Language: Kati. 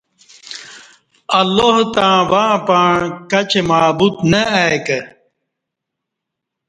اللہ تݩع وںع پںع کچی معبود نہ ائی کہ